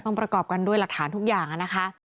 ประกอบกันด้วยหลักฐานทุกอย่างนะคะ